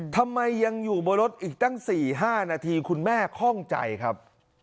ทำไมยังอยู่บนรถอีกตั้ง๔๕นาทีคุณแม่คล่องใจครับ